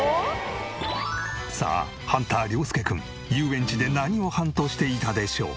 さあハンター涼介君遊園地で何をハントしていたでしょう？